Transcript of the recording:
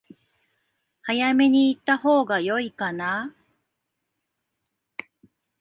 早めに行ったほうが良いかな？